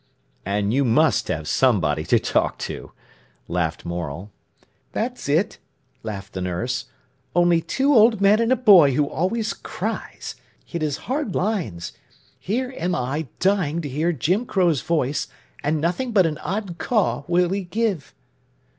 "And you must have somebody to talk to," laughed Morel. "That's it!" laughed the nurse. "Only two old men and a boy who always cries. It is hard lines! Here am I dying to hear Jim Crow's voice, and nothing but an odd 'Caw!' will he give!"